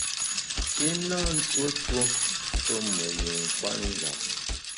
I na ntuo tuo pé me yin kwet njap.